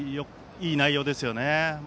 いい内容ですよね。